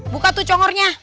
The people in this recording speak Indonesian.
buka tuh congornya